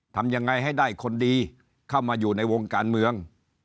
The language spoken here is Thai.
ทำยังไงให้ได้คนดีเข้ามาอยู่ในวงการเมือง